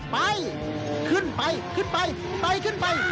ไปขึ้นไปขึ้นไปไปขึ้นไป